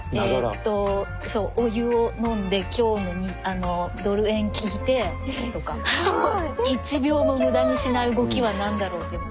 そうお湯を飲んで今日のドル円聞いてとかははっ１秒も無駄にしない動きは何だろうっていうのを。